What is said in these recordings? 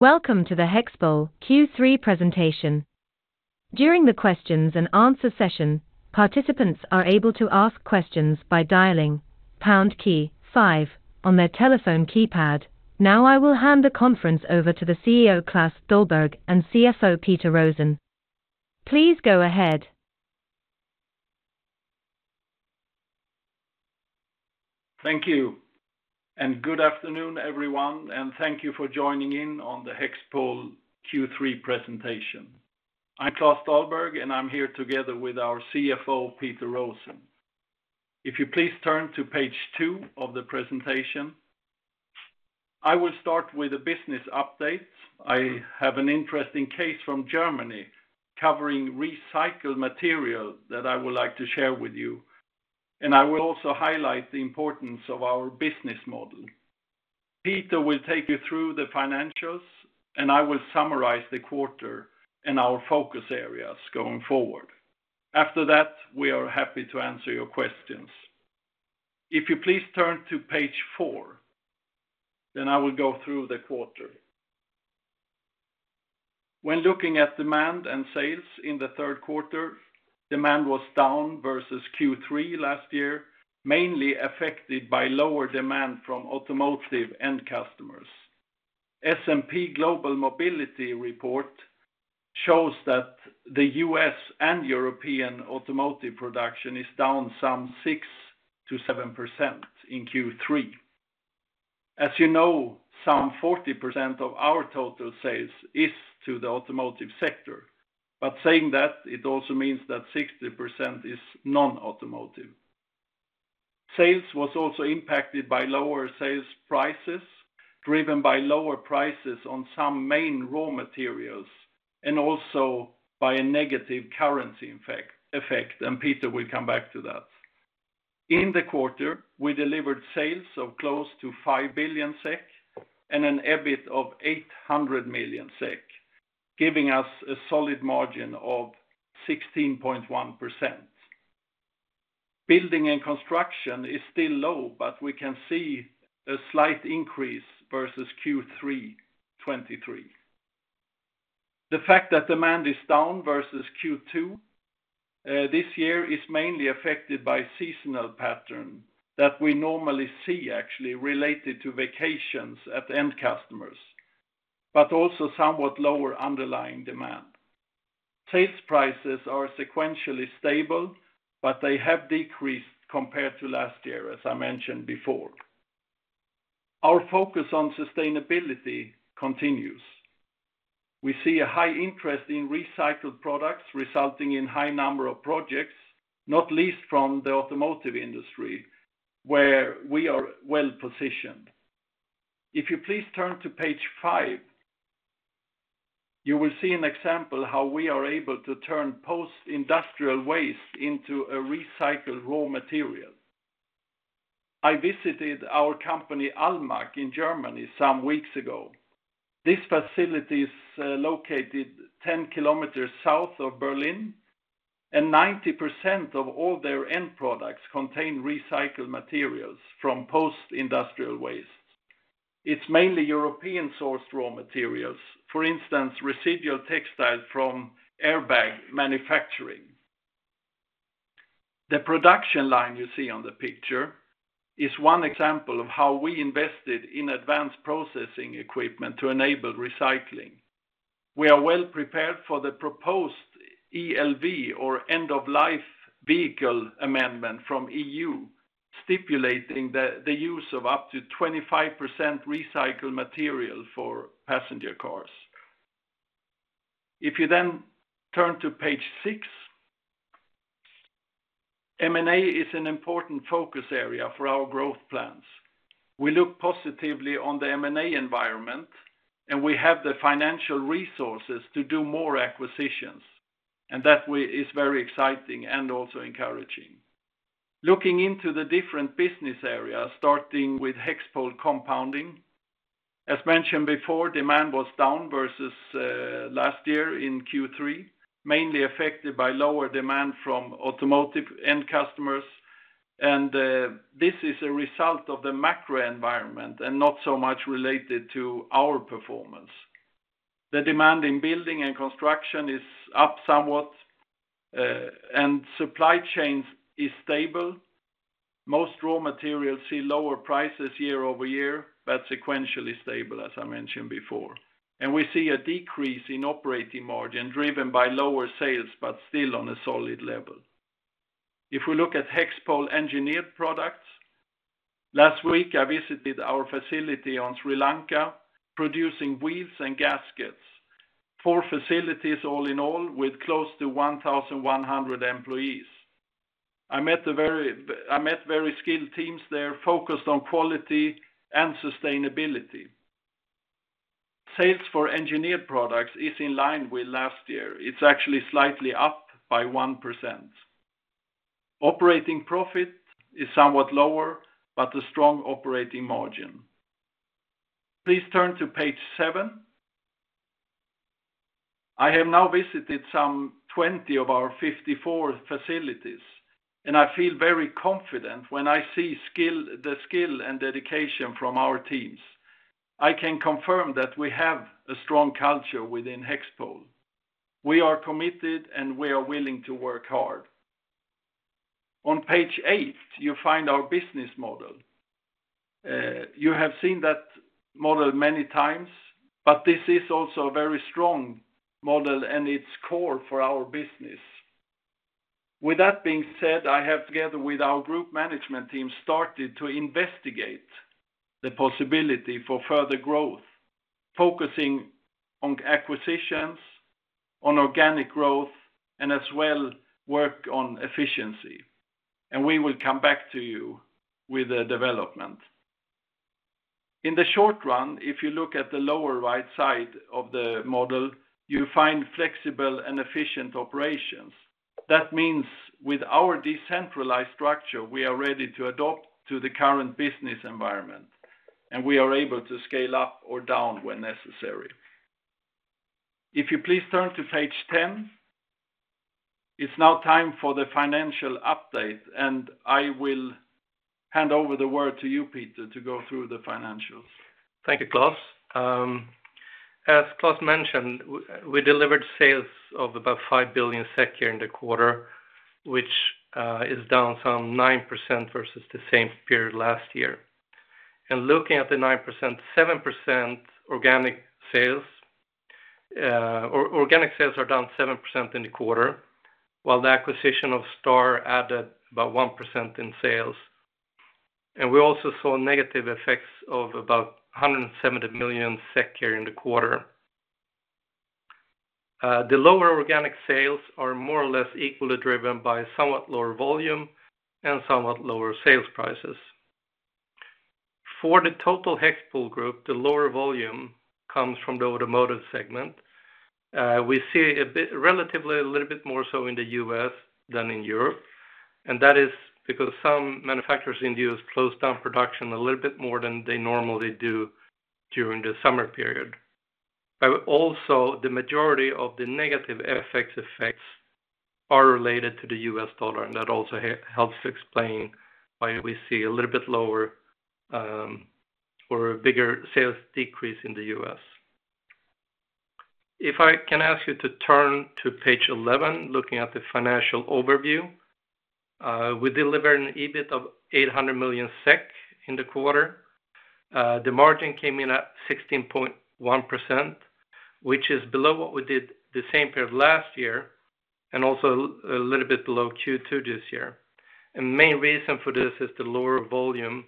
Welcome to the HEXPOL Q3 presentation. During the questions and answer session, participants are able to ask questions by dialing pound key five on their telephone keypad. Now I will hand the conference over to the CEO, Klas Dahlberg, and CFO, Peter Rosén. Please go ahead. Thank you, and good afternoon, everyone, and thank you for joining in on the HEXPOL Q3 presentation. I'm Klas Dahlberg, and I'm here together with our CFO, Peter Rosén. If you please turn to page two of the presentation, I will start with the business updates. I have an interesting case from Germany covering recycled material that I would like to share with you, and I will also highlight the importance of our business model. Peter will take you through the financials, and I will summarize the quarter and our focus areas going forward. After that, we are happy to answer your questions. If you please turn to page four, then I will go through the quarter. When looking at demand and sales in the third quarter, demand was down versus Q3 last year, mainly affected by lower demand from automotive end customers. S&P Global Mobility report shows that the U.S. and European automotive production is down some 6%-7% in Q3. As you know, some 40% of our total sales is to the automotive sector, but saying that, it also means that 60% is non-automotive. Sales was also impacted by lower sales prices, driven by lower prices on some main raw materials and also by a negative currency effect, and Peter will come back to that. In the quarter, we delivered sales of close to 5 billion SEK and an EBIT of 800 million SEK, giving us a solid margin of 16.1%. Building and construction is still low, but we can see a slight increase versus Q3 2023. The fact that demand is down versus Q2, this year is mainly affected by seasonal pattern that we normally see actually related to vacations at the end customers, but also somewhat lower underlying demand. Sales prices are sequentially stable, but they have decreased compared to last year, as I mentioned before. Our focus on sustainability continues. We see a high interest in recycled products, resulting in high number of projects, not least from the automotive industry, where we are well-positioned. If you please turn to page five, you will see an example how we are able to turn post-industrial waste into a recycled raw material. I visited our company, Almaak, in Germany some weeks ago. This facility is located 10 km south of Berlin, and 90% of all their end products contain recycled materials from post-industrial waste. It's mainly European-sourced raw materials, for instance, residual textiles from airbag manufacturing. The production line you see on the picture is one example of how we invested in advanced processing equipment to enable recycling. We are well prepared for the proposed ELV or end-of-life vehicle amendment from EU, stipulating the use of up to 25% recycled material for passenger cars. If you then turn to page six, M&A is an important focus area for our growth plans. We look positively on the M&A environment, and we have the financial resources to do more acquisitions, and that way is very exciting and also encouraging. Looking into the different business areas, starting with HEXPOL Compounding. As mentioned before, demand was down versus last year in Q3, mainly affected by lower demand from automotive end customers, and this is a result of the macro environment and not so much related to our performance. The demand in building and construction is up somewhat, and supply chains is stable. Most raw materials see lower prices year over year, but sequentially stable, as I mentioned before, and we see a decrease in operating margin, driven by lower sales, but still on a solid level. If we look at HEXPOL Engineered Products, last week, I visited our facility on Sri Lanka, producing wheels and gaskets. Four facilities all in all, with close to one thousand one hundred employees. I met very skilled teams there, focused on quality and sustainability. Sales for Engineered Products is in line with last year. It's actually slightly up by 1%. Operating profit is somewhat lower, but a strong operating margin. Please turn to page seven. I have now visited some 20 of our 54 facilities, and I feel very confident when I see the skill and dedication from our teams. I can confirm that we have a strong culture within HEXPOL. We are committed, and we are willing to work hard. On page eight, you find our business model. You have seen that model many times, but this is also a very strong model, and it's core for our business. With that being said, I have, together with our group management team, started to investigate the possibility for further growth, focusing on acquisitions, on organic growth, and as well, work on efficiency, and we will come back to you with a development. In the short run, if you look at the lower right side of the model, you find flexible and efficient operations. That means with our decentralized structure, we are ready to adapt to the current business environment, and we are able to scale up or down when necessary. If you please turn to page 10, it's now time for the financial update, and I will hand over the word to you, Peter, to go through the financials. Thank you, Klas. As Klas mentioned, we delivered sales of about 5 billion SEK here in the quarter, which is down some 9% versus the same period last year. Looking at the 9%, 7% organic sales, organic sales are down 7% in the quarter, while the acquisition of Star added about 1% in sales. We also saw negative effects of about 170 million SEK here in the quarter. The lower organic sales are more or less equally driven by somewhat lower volume and somewhat lower sales prices. For the total HEXPOL group, the lower volume comes from the automotive segment. We see a bit relatively a little bit more so in the U.S. than in Europe, and that is because some manufacturers in the U.S. closed down production a little bit more than they normally do during the summer period. But also, the majority of the negative FX effects are related to the U.S. dollar, and that also helps explain why we see a little bit lower or a bigger sales decrease in the U.S. If I can ask you to turn to page 11, looking at the financial overview, we delivered an EBIT of 800 million SEK in the quarter. The margin came in at 16.1%, which is below what we did the same period last year, and also a little bit below Q2 this year. And the main reason for this is the lower volume,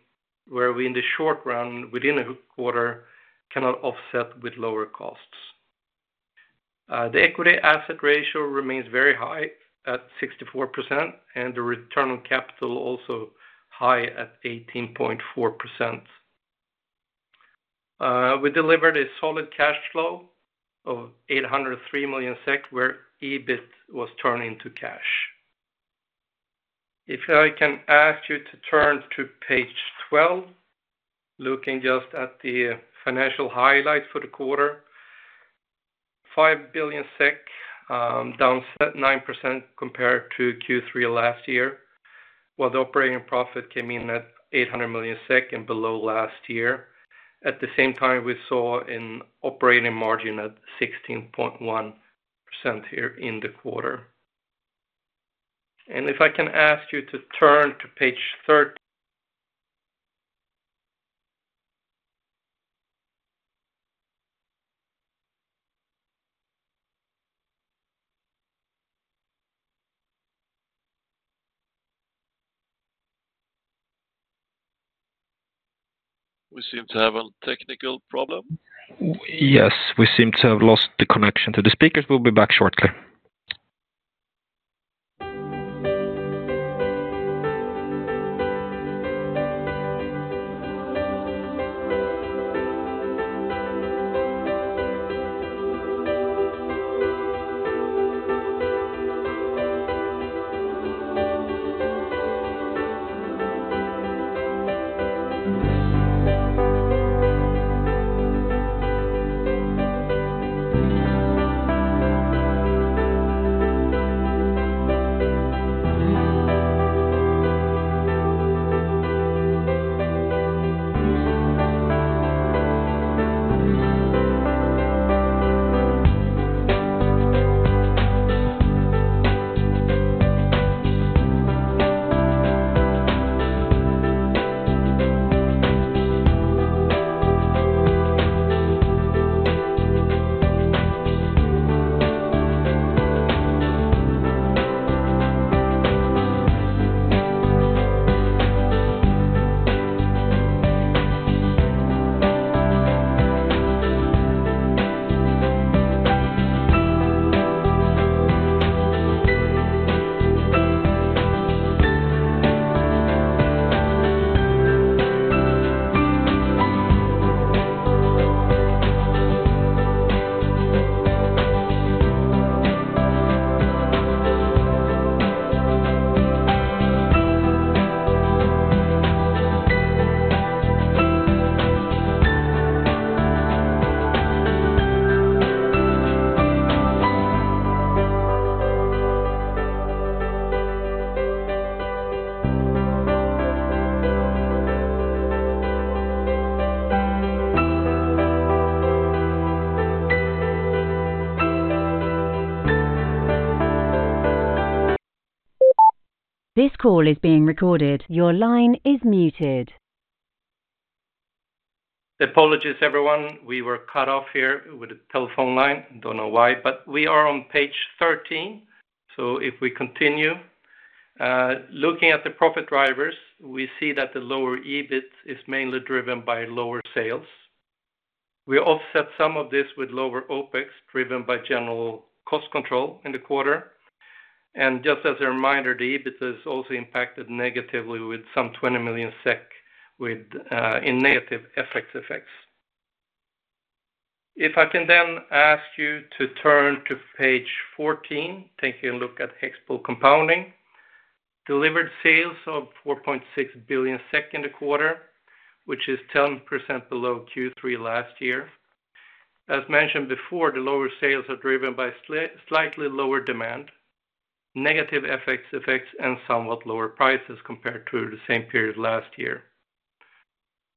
where we, in the short run, within a quarter, cannot offset with lower costs. The equity asset ratio remains very high at 64%, and the return on capital also high at 18.4%. We delivered a solid cash flow of 803 million SEK, where EBIT was turned into cash. If I can ask you to turn to page 12, looking just at the financial highlights for the quarter, 5 billion SEK, down 7%-9% compared to Q3 last year, while the operating profit came in at 800 million SEK and below last year. At the same time, we saw an operating margin at 16.1% here in the quarter. And if I can ask you to turn to page thir- We seem to have a technical problem? Yes, we seem to have lost the connection to the speakers. We'll be back shortly. This call is being recorded. Your line is muted. Apologies, everyone. We were cut off here with a telephone line. Don't know why, but we are on page 13. So if we continue, looking at the profit drivers, we see that the lower EBIT is mainly driven by lower sales. We offset some of this with lower OpEx, driven by general cost control in the quarter. And just as a reminder, the EBIT is also impacted negatively with some 20 million SEK in negative FX effects. If I can then ask you to turn to page 14, taking a look at HEXPOL Compounding. Delivered sales of 4.6 billion SEK in the quarter, which is 10% below Q3 last year. As mentioned before, the lower sales are driven by slightly lower demand, negative FX effects, and somewhat lower prices compared to the same period last year.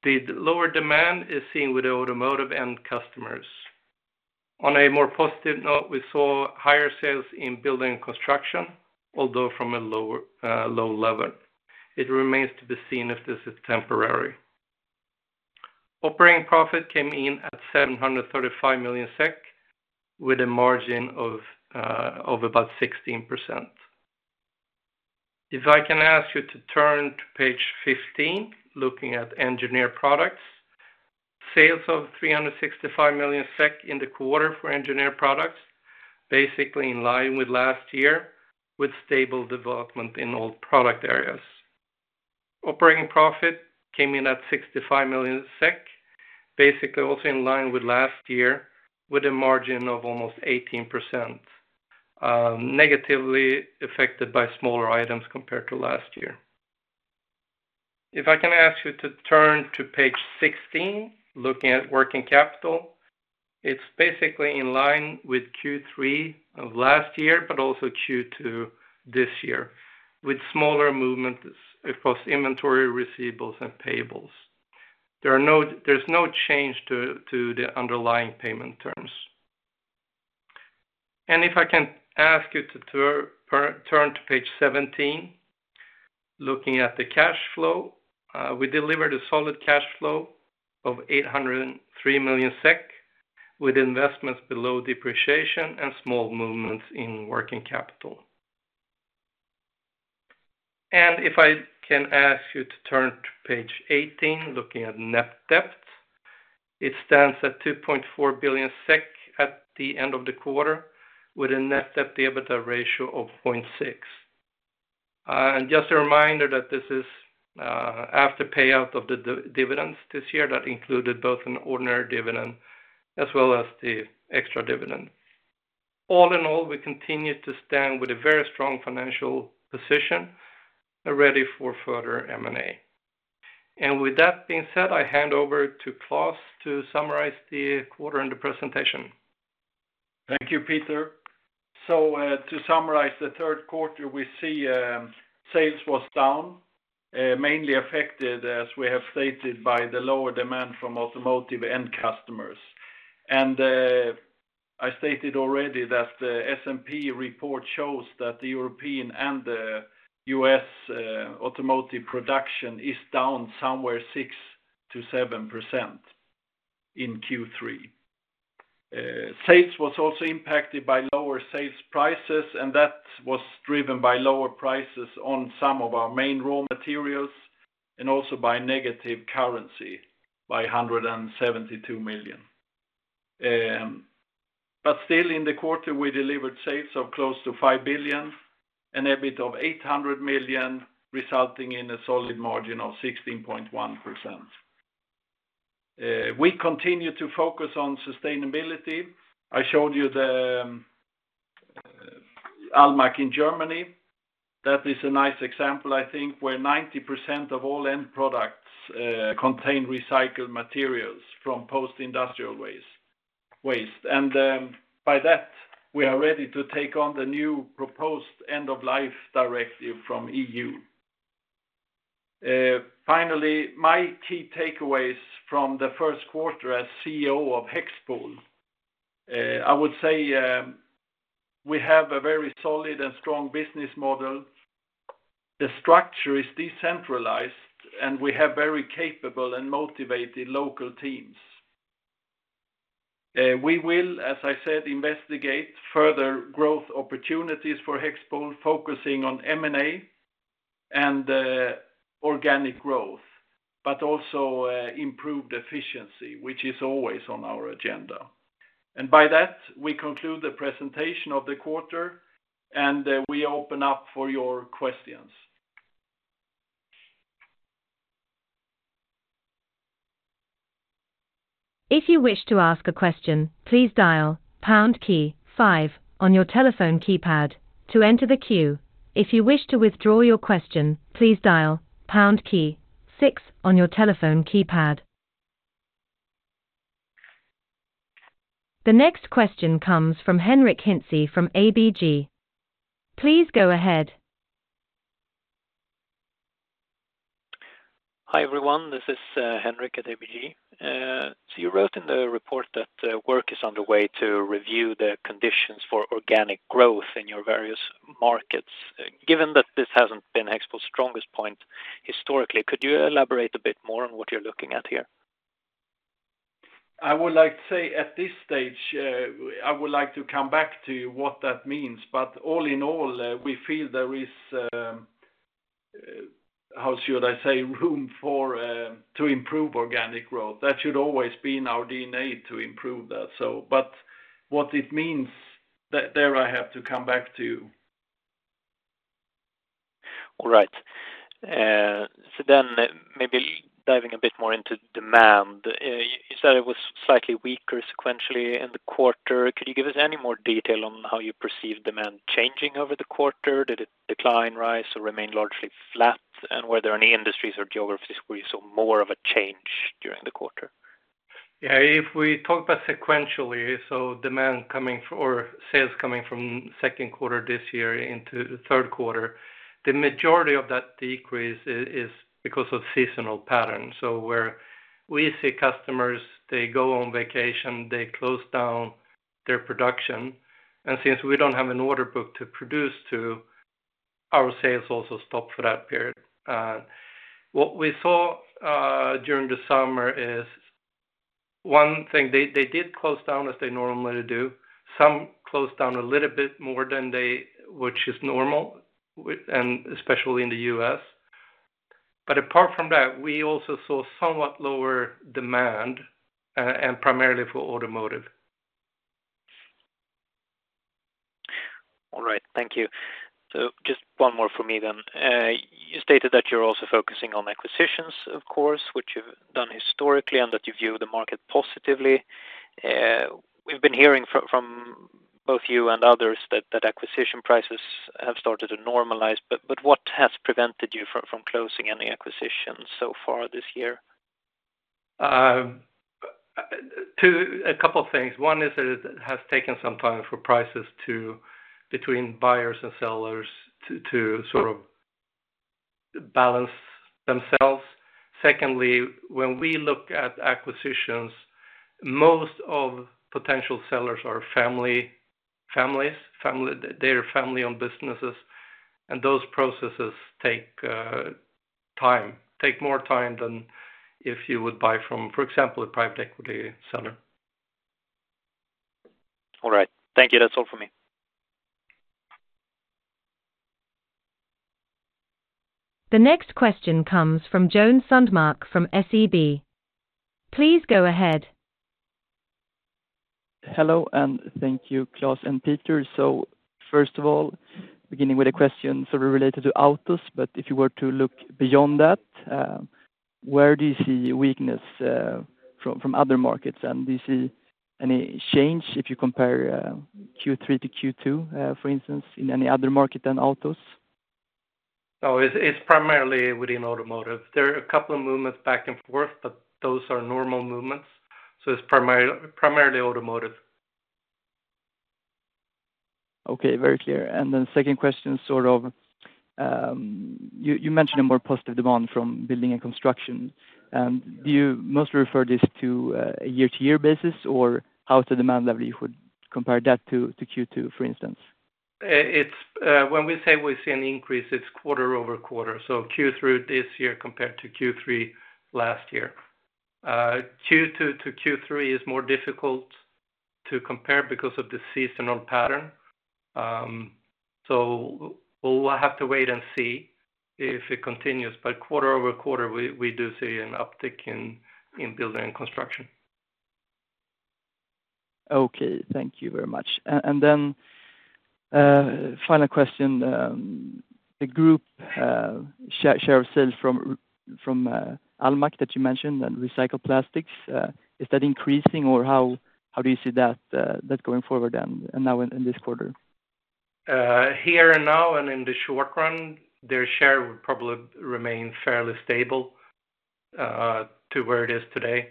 The lower demand is seen with the automotive end customers. On a more positive note, we saw higher sales in building and construction, although from a lower low level. It remains to be seen if this is temporary. Operating profit came in at 735 million SEK, with a margin of about 16%. If I can ask you to turn to page 15, looking at Engineered Products. Sales of 365 million SEK in the quarter for Engineered Products, basically in line with last year, with stable development in all product areas. Operating profit came in at 65 million SEK, basically also in line with last year, with a margin of almost 18%, negatively affected by smaller items compared to last year. If I can ask you to turn to page 16, looking at working capital, it's basically in line with Q3 of last year, but also Q2 this year, with smaller movements across inventory, receivables, and payables. There's no change to the underlying payment terms. If I can ask you to turn to page seventeen, looking at the cash flow, we delivered a solid cash flow of 803 million SEK, with investments below depreciation and small movements in working capital. If I can ask you to turn to page eighteen, looking at net debt, it stands at 2.4 billion SEK at the end of the quarter, with a net debt to EBITDA ratio of 0.6. And just a reminder that this is after payout of the dividends this year, that included both an ordinary dividend as well as the extra dividend. All in all, we continue to stand with a very strong financial position, ready for further M&A. And with that being said, I hand over to Klas to summarize the quarter and the presentation. Thank you, Peter. To summarize the third quarter, we see sales was down, mainly affected, as we have stated, by the lower demand from automotive end customers. I stated already that the S&P report shows that the European and the U.S. automotive production is down somewhere 6%-7% in Q3. Sales was also impacted by lower sales prices, and that was driven by lower prices on some of our main raw materials, and also by negative currency by 172 million. Still, in the quarter, we delivered sales of close to 5 billion, an EBIT of 800 million, resulting in a solid margin of 16.1%. We continue to focus on sustainability. I showed you the Almaak in Germany. That is a nice example, I think, where 90% of all end products contain recycled materials from post-industrial waste. And, by that, we are ready to take on the new proposed end-of-life directive from EU. Finally, my key takeaways from the first quarter as CEO of HEXPOL, I would say, we have a very solid and strong business model. The structure is decentralized, and we have very capable and motivated local teams. We will, as I said, investigate further growth opportunities for HEXPOL, focusing on M&A and organic growth, but also improved efficiency, which is always on our agenda. And by that, we conclude the presentation of the quarter, and we open up for your questions. If you wish to ask a question, please dial pound key five on your telephone keypad to enter the queue. If you wish to withdraw your question, please dial pound key six on your telephone keypad. The next question comes from Henric Hintze from ABG. Please go ahead. Hi, everyone. This is Henric at ABG. So you wrote in the report that work is underway to review the conditions for organic growth in your various markets. Given that this hasn't been HEXPOL's strongest point historically, could you elaborate a bit more on what you're looking at here? I would like to say at this stage, I would like to come back to what that means, but all in all, we feel there is, how should I say? Room for to improve organic growth. That should always be in our DNA to improve that. So but what it means, there, I have to come back to you. All right, so then maybe diving a bit more into demand. You said it was slightly weaker sequentially in the quarter. Could you give us any more detail on how you perceive demand changing over the quarter? Did it decline, rise, or remain largely flat, and were there any industries or geographies where you saw more of a change during the quarter? Yeah, if we talk about sequentially, so demand coming or sales coming from second quarter this year into the third quarter, the majority of that decrease is because of seasonal patterns, so where we see customers, they go on vacation, they close down their production, and since we don't have an order book to produce to, our sales also stop for that period. What we saw during the summer is one thing. They did close down as they normally do. Some closed down a little bit more than normal, and especially in the U.S., but apart from that, we also saw somewhat lower demand, and primarily for automotive. All right, thank you. So just one more for me then. You stated that you're also focusing on acquisitions, of course, which you've done historically, and that you view the market positively. We've been hearing from both you and others that acquisition prices have started to normalize, but what has prevented you from closing any acquisitions so far this year? A couple of things. One is that it has taken some time for prices between buyers and sellers to sort of balance themselves. Secondly, when we look at acquisitions, most of potential sellers are family-owned businesses, and those processes take time. Take more time than if you would buy from, for example, a private equity seller. All right. Thank you. That's all for me. The next question comes from Joen Sundmark, from SEB. Please go ahead. Hello, and thank you, Klas and Peter, so first of all, beginning with a question sort of related to autos, but if you were to look beyond that, where do you see weakness from other markets? And do you see any change if you compare Q3 to Q2, for instance, in any other market than autos? No, it's, it's primarily within automotive. There are a couple of movements back and forth, but those are normal movements, so it's primarily, primarily automotive. Okay, very clear. And then second question, sort of, you mentioned a more positive demand from building and construction. Do you mostly refer this to a year-to-year basis, or how the demand level you would compare that to Q2, for instance? It's when we say we see an increase, it's quarter over quarter, so Q3 this year compared to Q3 last year. Q2 to Q3 is more difficult to compare because of the seasonal pattern. We'll have to wait and see if it continues, but quarter over quarter, we do see an uptick in building and construction. Okay, thank you very much. And then, final question. The group's share of sales from Almaak, that you mentioned, and recycled plastics, is that increasing or how do you see that going forward and now in this quarter? Here and now and in the short run, their share would probably remain fairly stable to where it is today.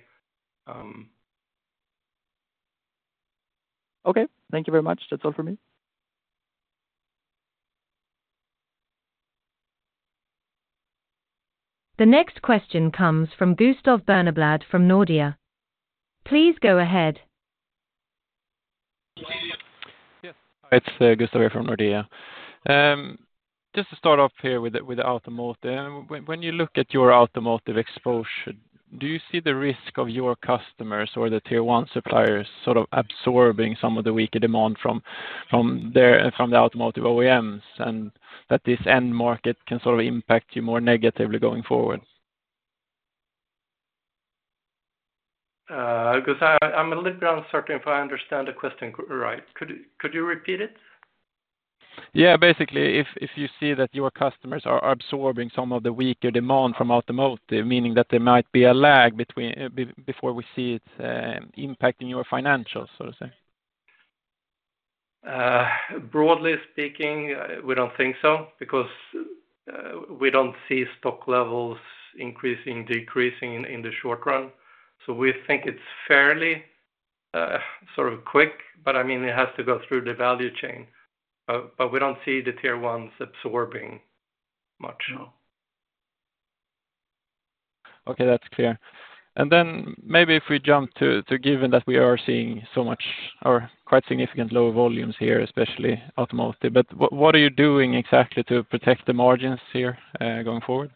Okay, thank you very much. That's all for me. The next question comes from Gustav Berneblad from Nordea. Please go ahead. Yes. Hi, it's Gustav from Nordea. Just to start off here with the automotive. When you look at your automotive exposure, do you see the risk of your customers or the Tier 1 suppliers sort of absorbing some of the weaker demand from their automotive OEMs, and that this end market can sort of impact you more negatively going forward? Gustav, I'm a little bit uncertain if I understand the question quite right. Could you repeat it? Yeah, basically, if, if you see that your customers are absorbing some of the weaker demand from automotive, meaning that there might be a lag before we see it impacting your financials, so to say? Broadly speaking, we don't think so, because we don't see stock levels increasing, decreasing in the short run. So we think it's fairly sort of quick, but I mean, it has to go through the value chain. But we don't see the Tier 1s absorbing much. No. Okay, that's clear. And then maybe if we jump to given that we are seeing so much or quite significant lower volumes here, especially automotive, but what are you doing exactly to protect the margins here, going forward?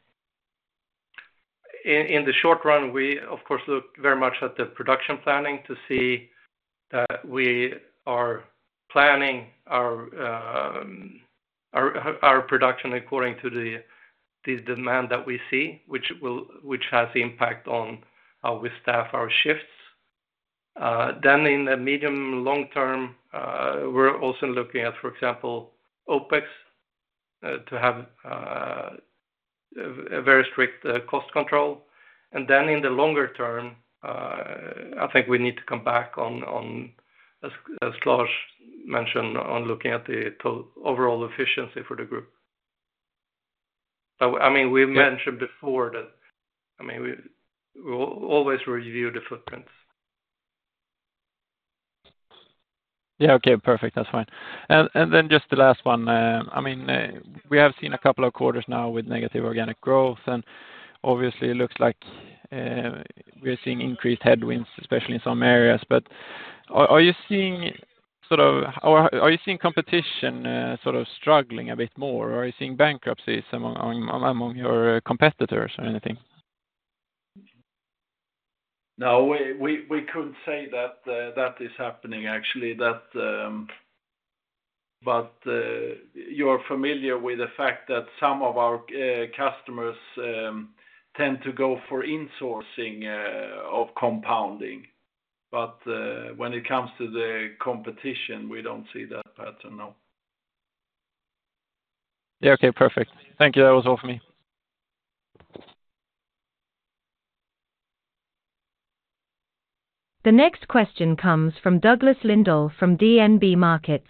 In the short run, we, of course, look very much at the production planning to see that we are planning our production according to the demand that we see, which has impact on how we staff our shifts. Then in the medium long term, we're also looking at, for example, OpEx, to have a very strict cost control. And then in the longer term, I think we need to come back on, as Klas mentioned, on looking at the overall efficiency for the group. So, I mean, we mentioned before that, I mean, we will always review the footprints. Yeah, okay, perfect. That's fine. And then just the last one, I mean, we have seen a couple of quarters now with negative organic growth, and obviously it looks like we're seeing increased headwinds, especially in some areas. But are you seeing sort of... Are you seeing competition sort of struggling a bit more? Or are you seeing bankruptcies among your competitors or anything? No, we could say that is happening actually. But you're familiar with the fact that some of our customers tend to go for insourcing of compounding. But when it comes to the competition, we don't see that pattern, no. Yeah, okay, perfect. Thank you. That was all for me. The next question comes from Douglas Lindahl from DNB Markets.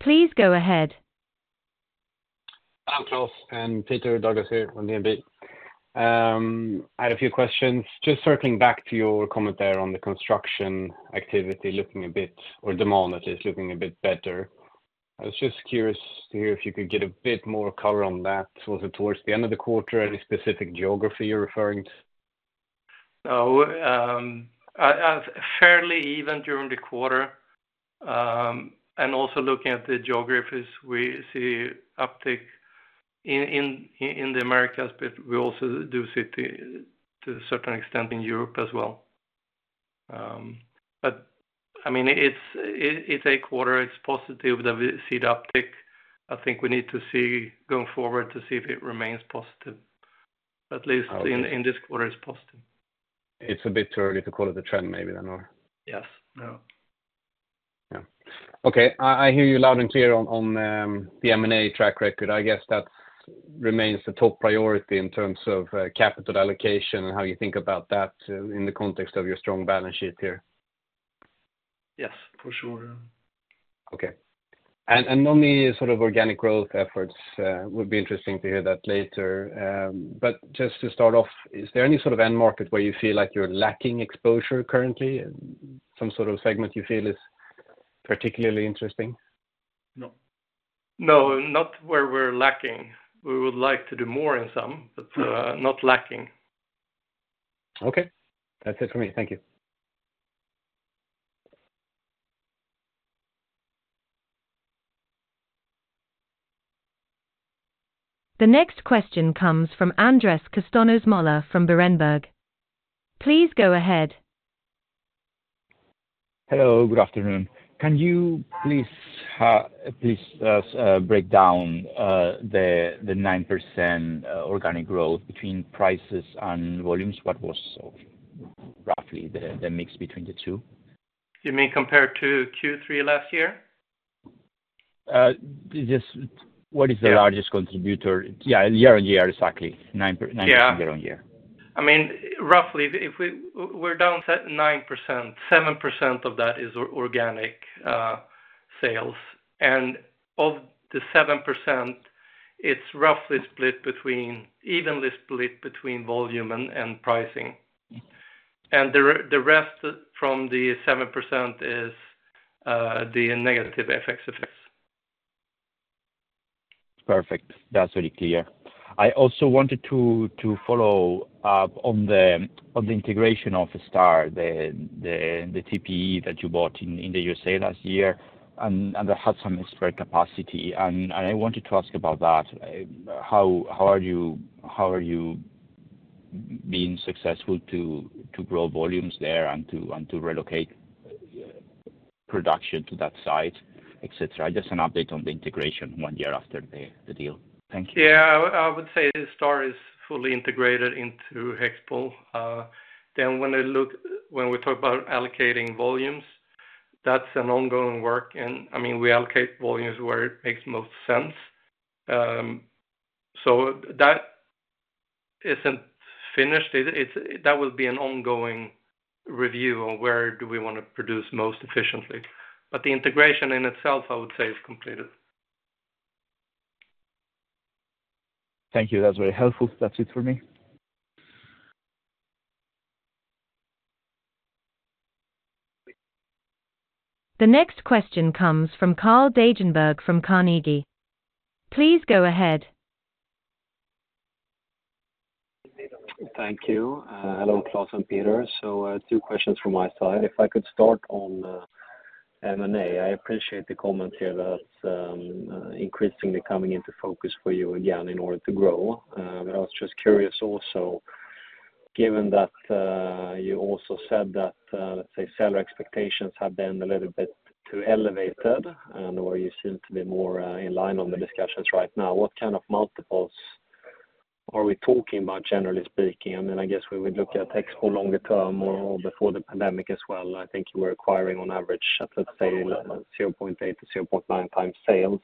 Please go ahead. Hi, Klas and Peter. Douglas here from DNB. I had a few questions. Just circling back to your comment there on the construction activity looking a bit, or demand, that is, looking a bit better. I was just curious to hear if you could get a bit more color on that, sort of towards the end of the quarter, any specific geography you're referring to? No, fairly even during the quarter, and also looking at the geographies, we see uptick in the Americas, but we also do see it to a certain extent in Europe as well, but I mean, it's a quarter, it's positive that we see the uptick. I think we need to see, going forward, to see if it remains positive. Okay. At least in this quarter, it's positive. It's a bit too early to call it a trend, maybe, then, or? Yes. Yeah. Yeah. Okay, I hear you loud and clear on the M&A track record. I guess that remains the top priority in terms of capital allocation and how you think about that in the context of your strong balance sheet here. Yes, for sure, yeah. Okay. And on the sort of organic growth efforts, would be interesting to hear that later. But just to start off, is there any sort of end market where you feel like you're lacking exposure currently? Some sort of segment you feel is particularly interesting? No. No, not where we're lacking. We would like to do more in some, but not lacking. Okay. That's it for me. Thank you. The next question comes from Andrés Castanos-Mollor from Berenberg. Please go ahead. Hello, good afternoon. Can you please break down the 9% organic growth between prices and volumes? What was roughly the mix between the two? You mean compared to Q3 last year? Uh, just- Yeah... what is the largest contributor? Yeah, year on year, exactly. Nine per- Yeah. 9% year on year. I mean, roughly, if we're down to 9%, 7% of that is organic sales. And of the 7%, it's roughly split evenly between volume and pricing. Mm. And the rest from the 7% is the negative FX effects. Perfect. That's very clear. I also wanted to follow up on the integration of Star, the TPE that you bought in the USA last year, and that had some spare capacity. And I wanted to ask about that. How are you being successful to grow volumes there and to relocate production to that site, et cetera? Just an update on the integration one year after the deal. Thank you. Yeah, I would say Star is fully integrated into HEXPOL. Then when we talk about allocating volumes, that's an ongoing work. And, I mean, we allocate volumes where it makes most sense. So that-... isn't finished, that will be an ongoing review on where do we want to produce most efficiently. But the integration in itself, I would say, is completed. Thank you. That's very helpful. That's it for me. The next question comes from Carl Deijenberg from Carnegie. Please go ahead. Thank you. Hello, Klas and Peter, so two questions from my side. If I could start on M&A. I appreciate the comment here that increasingly coming into focus for you again in order to grow, but I was just curious also, given that you also said that let's say, seller expectations have been a little bit too elevated, and where you seem to be more in line on the discussions right now. What kind of multiples are we talking about, generally speaking? I mean, I guess we would look at HEXPOL longer term or before the pandemic as well. I think you were acquiring on average, let's say, 0.8-0.9x sales,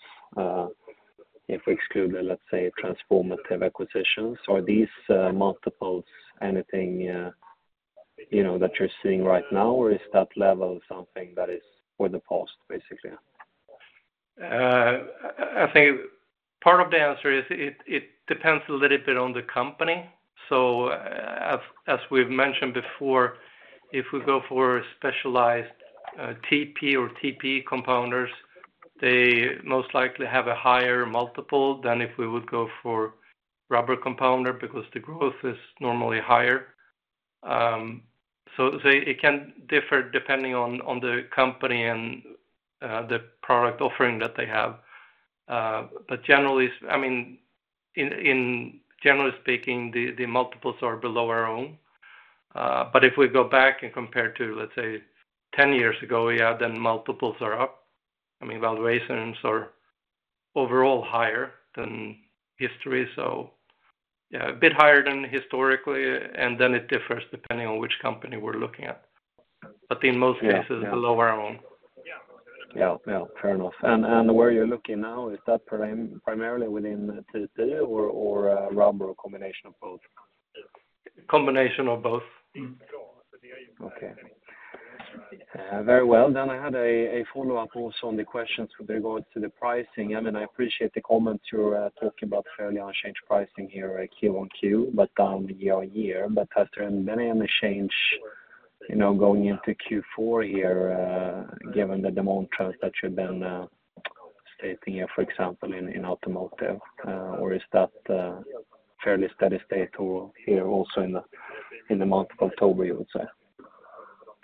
if we exclude, let's say, transformative acquisitions. Are these multiples anything, you know, that you're seeing right now, or is that level something that is for the past, basically? I think part of the answer is it depends a little bit on the company. So as we've mentioned before, if we go for a specialized TPE or TPE compounders, they most likely have a higher multiple than if we would go for rubber compounder, because the growth is normally higher. So it can differ depending on the company and the product offering that they have. But generally, I mean, in generally speaking, the multiples are below our own. But if we go back and compare to, let's say, ten years ago, yeah, then multiples are up. I mean, valuations are overall higher than history, so yeah, a bit higher than historically, and then it differs depending on which company we're looking at. But in most cases, below our own. Yeah. Yeah, fair enough. And where you're looking now, is that primarily within the TPE or rubber or a combination of both? Combination of both. Okay. Very well. Then I had a follow-up also on the questions with regards to the pricing. I mean, I appreciate the comments you're talking about fairly unchanged pricing here, Q on Q, but down year on year. But has there been any change, you know, going into Q4 here, given the demand trends that you've been stating, for example, in automotive? Or is that fairly steady state or here also in the month of October, you would say?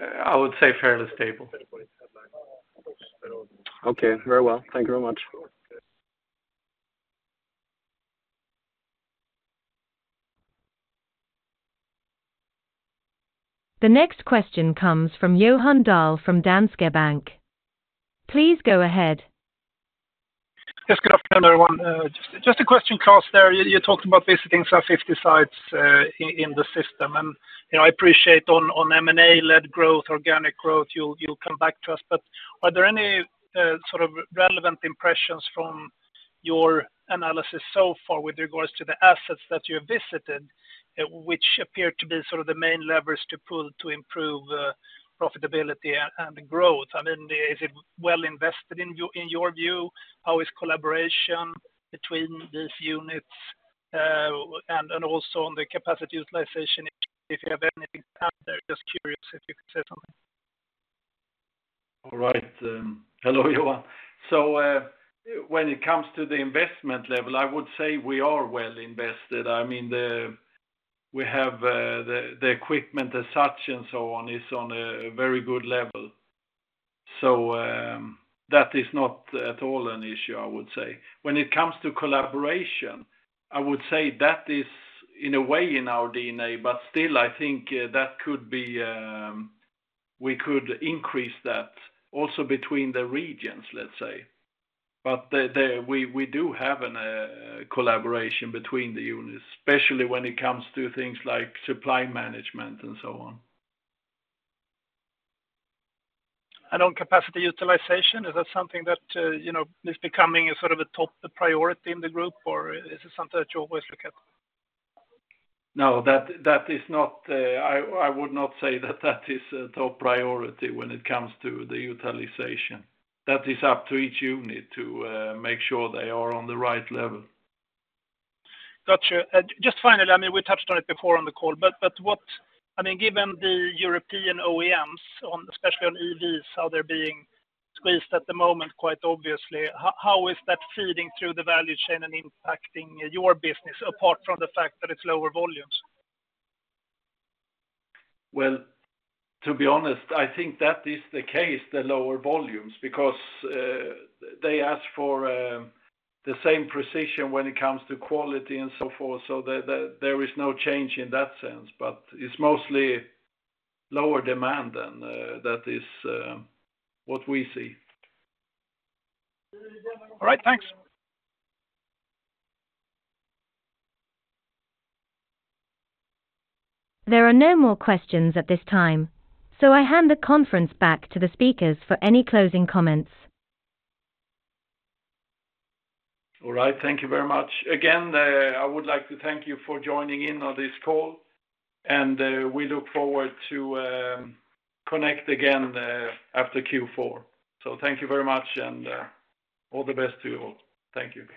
I would say fairly stable. Okay, very well. Thank you very much. The next question comes from Johan Dahl from Danske Bank. Please go ahead. Yes, good afternoon, everyone. Just a question, Klas, there. You talked about visiting some 50 sites in the system, and you know, I appreciate on M&A led growth, organic growth, you'll come back to us. But are there any sort of relevant impressions from your analysis so far with regards to the assets that you have visited, which appear to be sort of the main levers to pull to improve profitability and growth? I mean, is it well invested in your view? How is collaboration between these units and also on the capacity utilization, if you have anything out there, just curious if you could say something. All right, hello, Johan. When it comes to the investment level, I would say we are well invested. I mean, we have the equipment as such and so on is on a very good level. So, that is not at all an issue, I would say. When it comes to collaboration, I would say that is in a way in our DNA, but still, I think that could be we could increase that also between the regions, let's say. But we do have a collaboration between the units, especially when it comes to things like supply management and so on. On capacity utilization, is that something that, you know, is becoming a sort of a top priority in the group, or is it something that you always look at? No, that, that is not, I, I would not say that that is a top priority when it comes to the utilization. That is up to each unit to, make sure they are on the right level. Got you. Just finally, I mean, we touched on it before on the call, but what-- I mean, given the European OEMs, especially on EVs, how they're being squeezed at the moment, quite obviously, how is that feeding through the value chain and impacting your business, apart from the fact that it's lower volumes? To be honest, I think that is the case, the lower volumes, because they ask for the same precision when it comes to quality and so forth. So there is no change in that sense, but it's mostly lower demand then, that is what we see. All right, thanks. There are no more questions at this time, so I hand the conference back to the speakers for any closing comments. All right. Thank you very much. Again, I would like to thank you for joining in on this call, and we look forward to connect again after Q4. So thank you very much, and all the best to you all. Thank you. Bye.